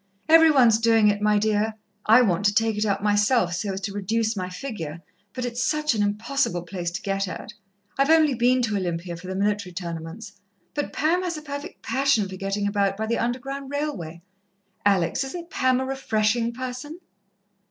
"Every one's doing it, my dear. I want to take it up myself, so as to reduce my figure, but it's such an impossible place to get at. I've only been to Olympia for the Military Tournaments. But Pam has a perfect passion for getting about by the underground railway. Alex, isn't Pam a refreshing person?"